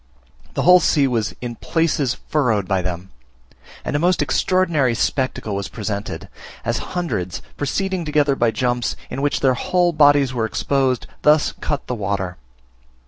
The whole sea was in places furrowed by them; and a most extraordinary spectacle was presented, as hundreds, proceeding together by jumps, in which their whole bodies were exposed, thus cut the water.